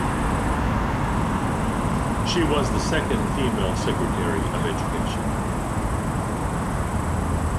She was the second female Secretary of Education.